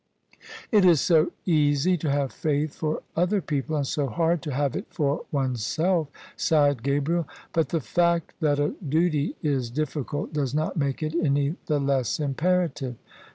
" It is so easy to have faith for other people : and so hard to have it for oneself," sighed Gabriel. " But the fact that a duty is difficult does not make it any the less imperative."